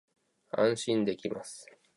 安心できます